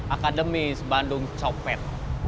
akademis bandung copet